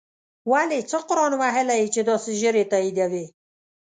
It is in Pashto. ولی څه قرآن وهلی یی چی داسی ژر یی تاییدوی